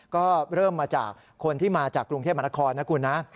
ก็เริ่มมาจากคนที่มาจากกรุงเทพมหานครนะคุณนะ